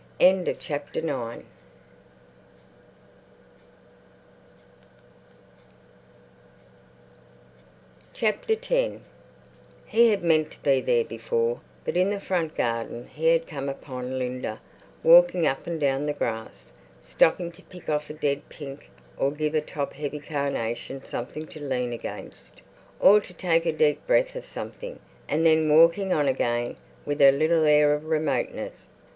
X He had meant to be there before, but in the front garden he had come upon Linda walking up and down the grass, stopping to pick off a dead pink or give a top heavy carnation something to lean against, or to take a deep breath of something, and then walking on again, with her little air of remoteness.